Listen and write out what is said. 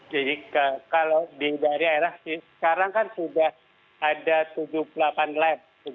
jadi kalau dari daerah daerah sekarang kan sudah ada tujuh puluh delapan lab